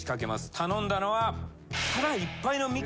頼んだのは。